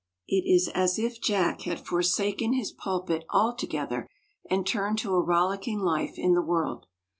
It is as if Jack had forsaken his pulpit altogether and turned to a rollicking life in the world.